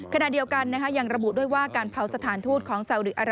ขณะเดียวกันยังระบุด้วยว่าการเผาสถานทูตของสาวริอารา